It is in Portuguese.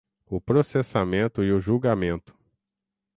o processamento e o julgamento